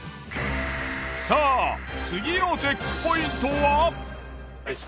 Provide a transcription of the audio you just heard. さぁ次のチェックポイントは？